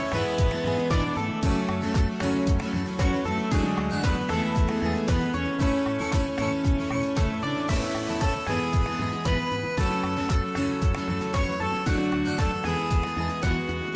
โปรดติดตามตอนต่อไป